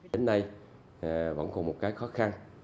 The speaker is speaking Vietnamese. đến nay vẫn còn một cái khó khăn